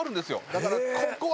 だからここはね